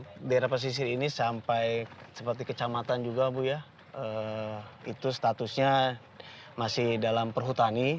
nah daerah pesisir ini sampai seperti kecamatan juga bu ya itu statusnya masih dalam perhutani